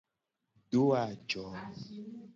Do ajo.